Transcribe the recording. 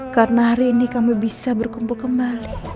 karena hari ini kami bisa berkumpul kembali